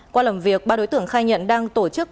qua làm việc ba đối tượng khai nhận đang tổ chức